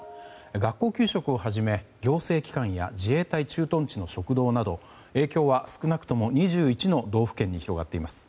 学校給食をはじめ、行政機関や自衛隊駐屯地の食堂など影響は少なくとも２１の道府県に広がっています。